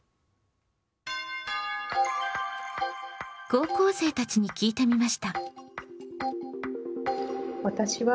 高校生たちに聞いてみました。